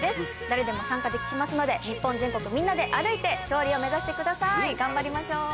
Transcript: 誰でも参加できますので日本全国みんなで歩いて勝利を目指してください頑張りましょう。